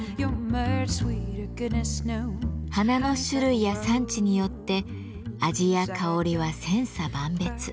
花の種類や産地によって味や香りは千差万別。